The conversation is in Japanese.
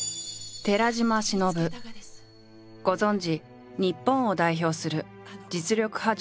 ご存じ日本を代表する実力派女優の一人。